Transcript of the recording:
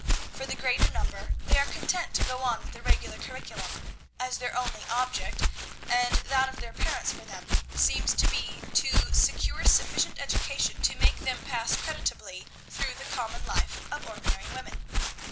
For the greater number, they are content to go on with the regular curriculum; as their only object, and that of their parents for them, seems to be to secure sufficient education to make them pass creditably through the common life of ordinary women.